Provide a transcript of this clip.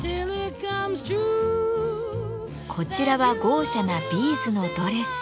こちらは豪奢なビーズのドレス。